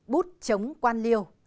bút chống quan liêu